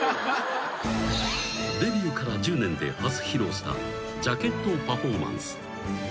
［デビューから１０年で初披露したジャケットパフォーマンス］